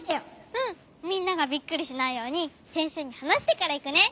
うんみんながびっくりしないようにせんせいにはなしてからいくね。